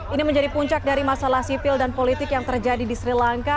ini menjadi puncak dari masalah sipil dan politik yang terjadi di sri lanka